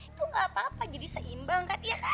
itu gak apa apa jadi seimbang kan ya kan